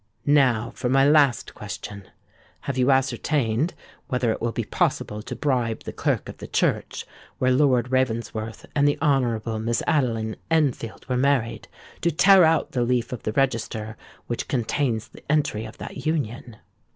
Now for my last question. Have you ascertained whether it will be possible to bribe the clerk of the church where Lord Ravensworth and the Honourable Miss Adeline Enfield were married, to tear out the leaf of the register which contains the entry of that union?"